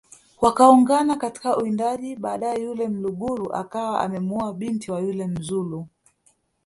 Wakaungana katika uwindaji baadae yule mlugulu akawa amemuoa binti wa yule mzulu